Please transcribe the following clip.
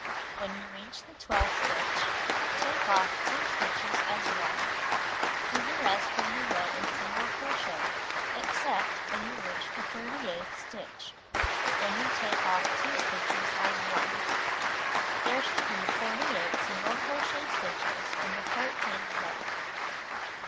When you reach the twelfth stitch, take off 2 stitches as one. Do the rest of the row iii single crochet except when you reach the tliii'ty eighth stitch, when you take off 2 stitches as one. There should be 48 single crochet stitches in the thirteenth row.